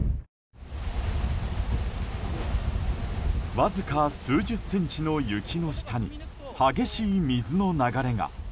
わずか数十センチの雪の下に激しい水の流れが。